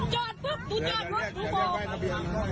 จนปุ๊บดูจอดรถดูพ่อ